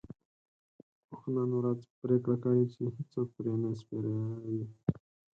اوښ نن ورځ پرېکړه کړې چې هيڅوک پرې نه سپروي.